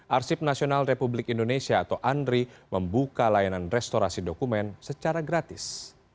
arsip nasional republik indonesia atau andri membuka layanan restorasi dokumen secara gratis